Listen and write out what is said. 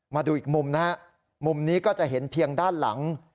มาดูอีกมุมนะฮะมุมนี้ก็จะเห็นเพียงด้านหลัง